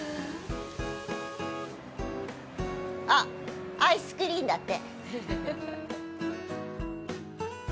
あっ、アイスクリンだって。